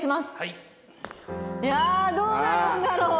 いやあどうなるんだろう？